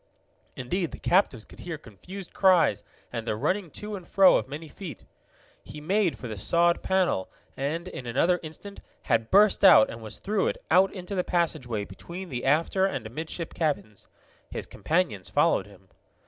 Indeed the captives could hear confused cries and the running to and fro of many feet. He made for the sawed panel, and, in another instant, had burst out and was through it, out into the passageway between the after and amidship cabins. His companions followed him.